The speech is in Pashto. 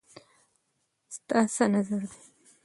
ستا څه نظر دی